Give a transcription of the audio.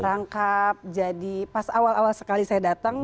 rangkap jadi pas awal awal sekali saya datang